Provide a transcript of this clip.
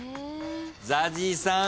ＺＡＺＹさん